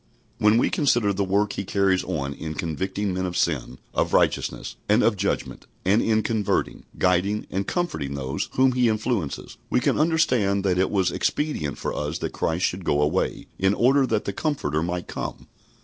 " When we consider the work He carries on in convicting men of sin, of righteousness, and of judgment, and in converting, guiding, and comforting those whom He influences, we can understand that it was expedient for us that Christ should go away, in order that the Comforter might come.